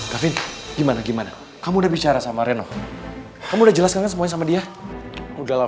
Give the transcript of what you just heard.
kevin gimana gimana kamu udah bicara sama reno kamu jelaskan semuanya sama dia udahlah